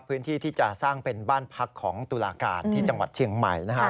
เพื่อที่จะสร้างเป็นบ้านพักของตุลาการที่จังหวัดเชียงใหม่นะครับ